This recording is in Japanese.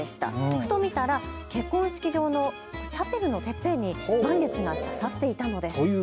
ふと見たら結婚式場のチャペルのてっぺんに満月が刺さっていたのです。